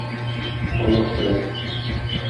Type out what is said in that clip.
Аяк терәп.